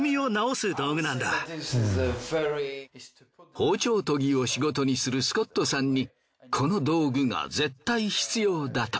包丁砥ぎを仕事にするスコットさんにこの道具が絶対必要だと。